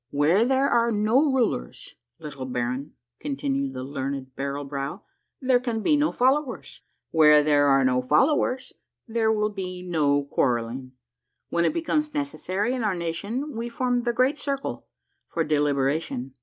" Where there are no rulers, little baron," continued the 128 A MARVELLOUS UNDERGROUND JOURNEY learned Barrel Brow, " there can be no followers ; where there are no followers, there will be no quarrelling. When it becomes necessary in our nation we form the Great Circle for delibera tion.